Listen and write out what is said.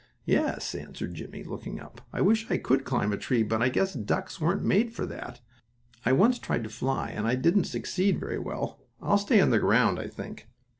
"Yes," answered Jimmie, looking up, "I wish I could climb a tree, but I guess ducks weren't made for that. I once tried to fly, and I didn't succeed very well. I'll stay on the ground, I think.